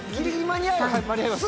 間に合います。